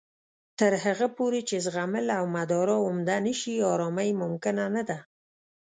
تر هغه پورې چې زغمل او مدارا عمده نه شي، ارامۍ ممکنه نه ده